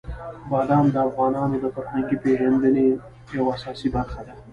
بادام د افغانانو د فرهنګي پیژندنې یوه اساسي برخه ده.